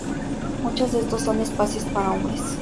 Muchos de estos son espacios para hombres.